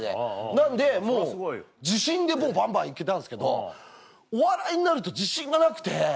なんで自信でもうバンバン行けたんですけどお笑いになると自信がなくて。